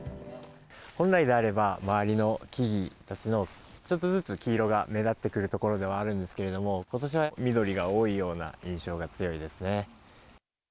本来であれば、周りの木々たちの、ちょっとずつ黄色が目立ってくるところではあるんですけれども、ことしは緑が多いような印象が強いですね。